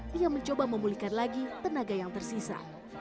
dia mencoba memulihkan lagi tenaga yang tersisa